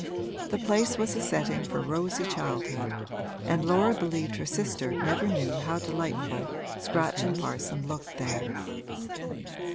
The place was a setting for rosy childhood, and Laura believed her sister never knew how delightful Scratch and Parson looked there.